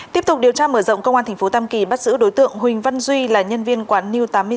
tiếp tục điều tra mở rộng công an tp tam kỳ bắt giữ đối tượng huỳnh văn duy là nhân viên quán new tám mươi sáu